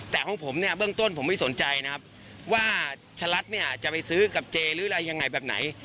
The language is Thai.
แต่ของผมเนี่ยเบื้องต้นผมไม่สนใจนะครับว่าชะลัดเนี่ยจะไปซื้อกับเจหรืออะไรยังไงแบบไหน